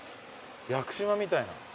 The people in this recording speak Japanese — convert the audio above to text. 屋久島みたいな。